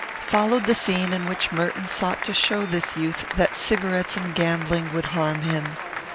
Followed the scene in which Merton sought to show this youth that cigarettes and gambling would harm him.